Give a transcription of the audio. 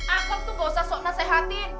akang tuh gak usah sok nasehati